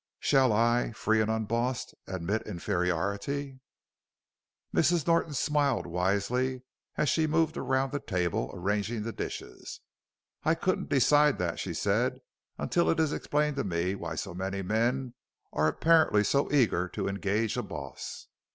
Shall I free and unbossed admit inferiority?" Mrs. Norton smiled wisely as she moved around the table, arranging the dishes. "I couldn't decide that," she said, "until it is explained to me why so many men are apparently so eager to engage a boss."